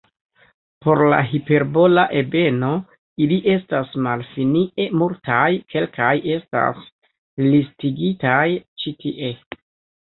Por la hiperbola ebeno ili estas malfinie multaj, kelkaj estas listigitaj ĉi tie.